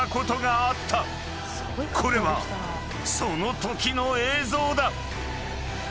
［これはそのときの映像だ］